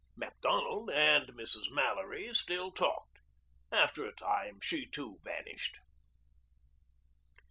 Macdonald and Mrs. Mallory still talked. After a time she too vanished.